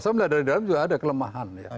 saya melihat dari dalam juga ada kelemahan ya